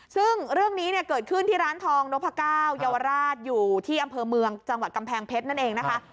ซึ่งเรื่องนี้เนี่ยเกิดขึ้นที่ร้านทองนพก้าวเยาวราชอยู่ที่อำเภอเมืองจังหวัดกำแพงเพชรนั่นเองนะคะ